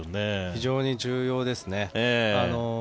非常に重要ですね。